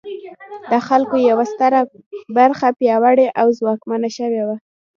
د خلکو یوه ستره برخه پیاوړې او ځواکمنه شوې وه.